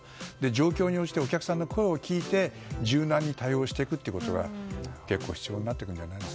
状況に応じてお客さんの声を聞いて柔軟に対応することが必要になるんじゃないかな。